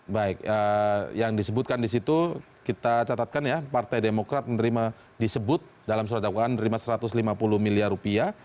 baik yang disebutkan di situ kita catatkan ya partai demokrat menerima disebut dalam surat dakwaan menerima satu ratus lima puluh miliar rupiah